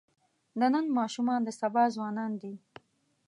د نن ماشومان د سبا ځوانان دي.